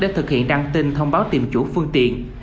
để thực hiện đăng tin thông báo tìm chủ phương tiện